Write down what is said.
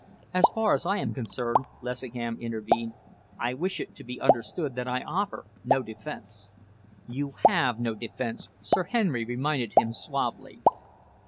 "So far as I am concerned," Lessingham intervened, "I wish it to be understood that I offer no defence." "You have no defence," Sir Henry reminded him suavely.